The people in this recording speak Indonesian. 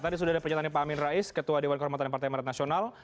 tadi sudah ada pernyataannya pak amin rais ketua dewan kehormatan partai merat nasional